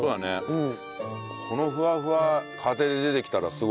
うん。